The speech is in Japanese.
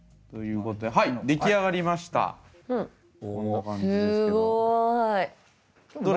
こんな感じですけど。